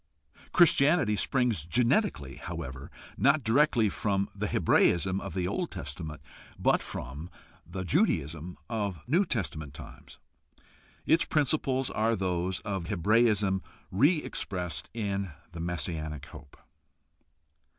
Christianity springs genetically, however, not directly from the Hebraism of the Old Testament, but from the Judaism of New Testament times. Its principles are those of Hebraism re expressed in the messianic hope.